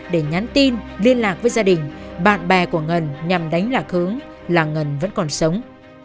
để nhắn tin liên lạc với gia đình bạn bè của ngân nhằm đánh lạc hướng là ngân vẫn còn sống